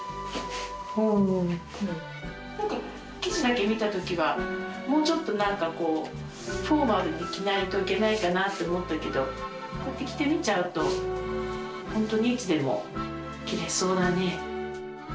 なんか生地だけ見た時はもうちょっと、なんかこうフォーマルに着ないといけないかなって思ったけどこうやって着てみちゃうと本当にいつでも着れそうだね。